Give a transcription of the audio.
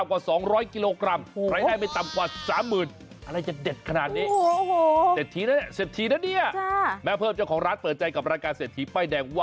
ว้าว